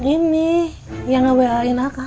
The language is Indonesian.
ini yang membayarin aku